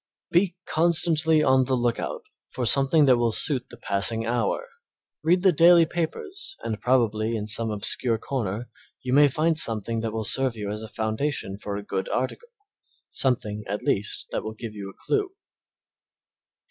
Be constantly on the lookout for something that will suit the passing hour, read the daily papers and probably in some obscure corner you may find something that will serve you as a foundation for a good article something, at least, that will give you a clue.